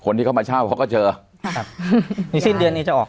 คนที่เขามาเช่าเขาก็เจอครับในสิ้นเดือนนี้จะออก